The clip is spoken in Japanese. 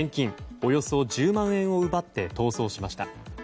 およそ１０万円を奪って逃走しました。